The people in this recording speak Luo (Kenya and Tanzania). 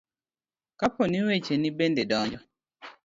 kapo ni wecheni bende donjo